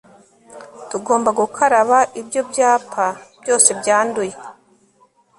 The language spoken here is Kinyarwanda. tugomba gukaraba ibyo byapa byose byanduye